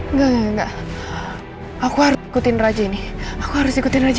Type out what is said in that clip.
enggak enggak aku harus ikutin raja ini aku harus ikutin aja